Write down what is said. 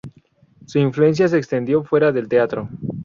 Su influencia se extendió fuera del teatro.